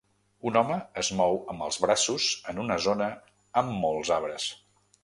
Un home es mou amb els braços en una zona amb molts arbres.